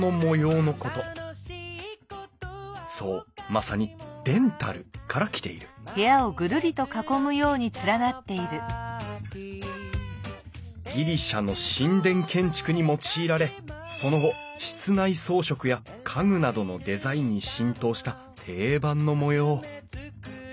そうまさに「デンタル」から来ているギリシャの神殿建築に用いられその後室内装飾や家具などのデザインに浸透した定番の模様